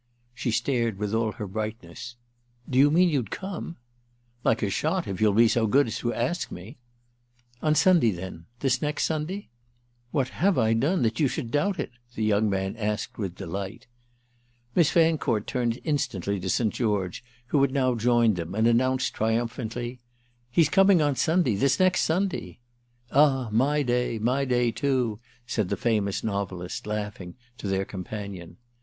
She stared with all her brightness. "Do you mean you'd come?" "Like a shot, if you'll be so good as to ask me!" "On Sunday then—this next Sunday?" "What have I done that you should doubt it?" the young man asked with delight. Miss Fancourt turned instantly to St. George, who had now joined them, and announced triumphantly: "He's coming on Sunday—this next Sunday!" "Ah my day—my day too!" said the famous novelist, laughing, to their companion.